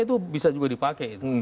itu bisa juga dipakai